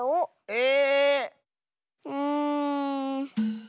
え⁉うん。